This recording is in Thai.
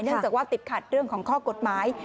จากว่าติดขัดเรื่องของข้อกฎหมาย